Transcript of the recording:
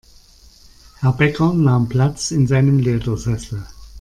Herr Bäcker nahm Platz in seinem Ledersessel.